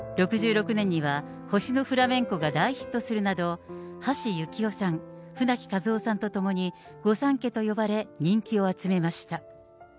６６年には、星のフラメンコが大ヒットするなど、橋幸夫さん、舟木一夫さんと共に、御三家と呼ばれ、人気を集めました。